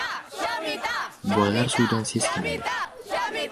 Bolalar suvdan seskandi.